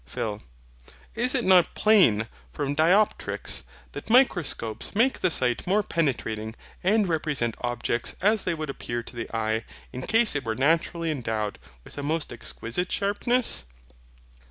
PHIL. Is it not plain from DIOPTRICS that microscopes make the sight more penetrating, and represent objects as they would appear to the eye in case it were naturally endowed with a most exquisite sharpness?